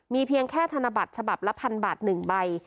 เพียงแค่ธนบัตรฉบับละ๑๐๐บาท๑ใบ